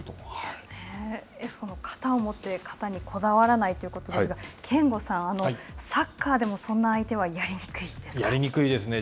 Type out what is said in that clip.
型を持って型にこだわらないということですが、憲剛さん、サッカーでもそんやりにくいですね。